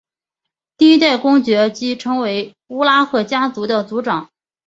第一代公爵即成为乌拉赫家族的族长。